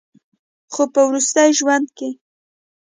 خو پۀ وروستي ژوند کښې